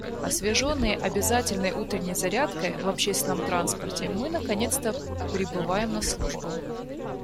Освеженные обязательной утренней зарядкой в общественном транспорте, мы наконец-то прибываем на службу.